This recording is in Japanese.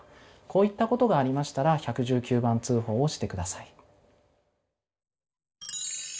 こういったことがありましたら１１９番通報をしてください。